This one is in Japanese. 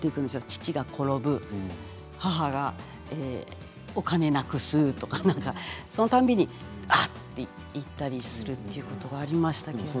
父親が転ぶ母親はお金をなくすとかそのたびにあっと言ったりするということがありましたけど。